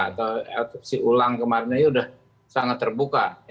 atau otopsi ulang kemarin ini sudah sangat terbuka